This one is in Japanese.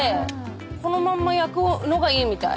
このまんま焼くのがいいみたい。